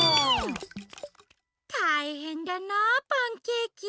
たいへんだなあパンケーキ。